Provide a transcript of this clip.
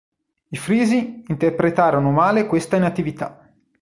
I Frisi interpretarono male questa inattività.